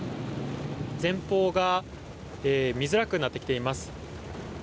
前方が見づらくなってきています。